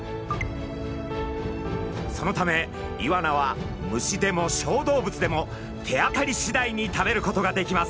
そのためイワナは虫でも小動物でも手当たりしだいに食べることができます。